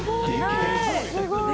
すごい。